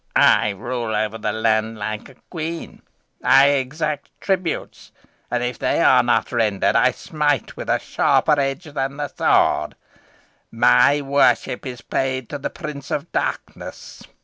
I rule over the land like a queen. I exact tributes, and, if they are not rendered, I smite with a sharper edge than the sword. My worship is paid to the Prince of Darkness.